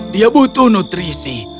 dia butuh nutrisi